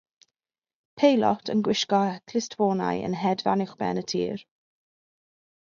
Peilot yn gwisgo clustffonau yn hedfan uwchben y tir